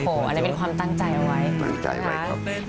โหอันนั้นเป็นความตั้งใจเอาไว้ตั้งใจเอาไว้ครับ